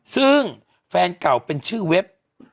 ซึ่งแฟนเก่าเป็นชื่อเว็บ